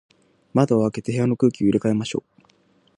窓を開けて、部屋の空気を入れ替えましょう。